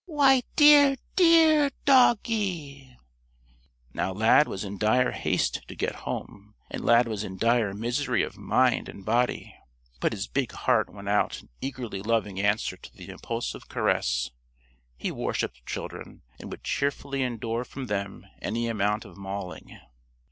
"Why, dear, dear doggie!" Now Lad was in dire haste to get home, and Lad was in dire misery of mind and body, but his big heart went out in eagerly loving answer to the impulsive caress. He worshipped children, and would cheerfully endure from them any amount of mauling.